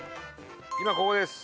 今ここです。